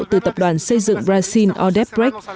từ tập đoàn xây dựng brazil odebrecht